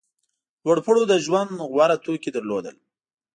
لوړپوړو د ژوند غوره توکي درلودل.